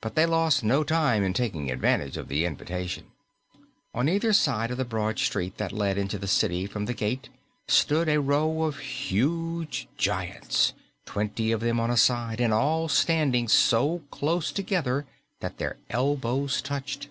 But they lost no time in taking advantage of the invitation. On either side of the broad street that led into the city from the gate stood a row of huge giants, twenty of them on a side and all standing so close together that their elbows touched.